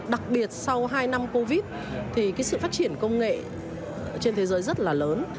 đặc biệt sau hai năm covid thì cái sự phát triển công nghệ trên thế giới rất là lớn